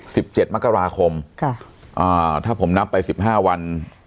สิบเจ็ดมกราคมค่ะอ่าถ้าผมนับไปสิบห้าวัน